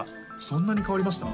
そんなに変わりました？